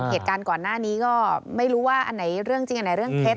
เหตุการณ์ก่อนหน้านี้ก็ไม่รู้ว่าอันไหนเรื่องจริงอันไหนเรื่องเท็จ